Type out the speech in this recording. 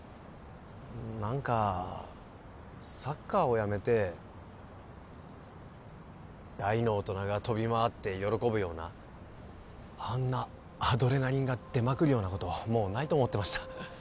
何かサッカーをやめて大の大人が飛びまわって喜ぶようなあんなアドレナリンが出まくるようなこともうないと思ってました